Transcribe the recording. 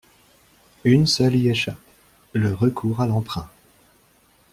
Une seule y échappe : le recours à l’emprunt.